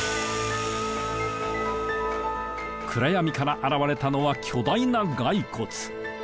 暗闇から現れたのは巨大な骸骨。